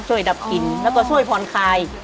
ช่วยดับกลิ่นแล้วก็ช่วยขอนคลาย